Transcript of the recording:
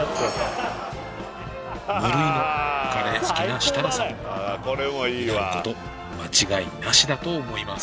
無類のカレー好きな設楽さんうなること間違いなしだと思います